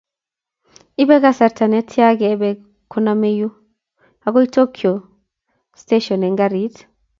ibe kasarta ne tya kebe koname yu agoi Tokyo station Eng' karit